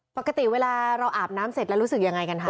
ปกติเวลาเราอาบน้ำเสร็จแล้วรู้สึกยังไงกันคะ